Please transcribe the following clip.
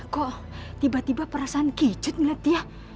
kok tiba tiba perasaan kicut melihat dia